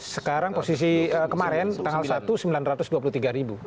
sekarang posisi kemarin tanggal satu sembilan ratus dua puluh tiga ribu